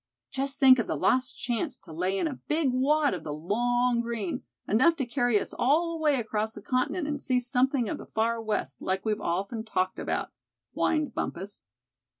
"Just think of the lost chance to lay in a big wad of the long green, enough to carry us all the way across the continent, and see something of the Far West, like we've often talked about," whined Bumpus.